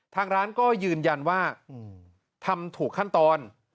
ทางร้านก็ยืนยันว่าทำถูกขั้นตอน